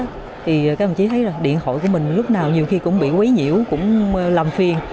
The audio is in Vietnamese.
thì các bạn chỉ thấy là điện hội của mình lúc nào nhiều khi cũng bị quấy nhiễu cũng làm phiền